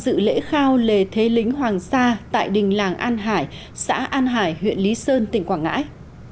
dự lễ khao lề thế lính hoàng sa tại đình làng an hải xã an hải huyện lý sơn tỉnh quảng ngãi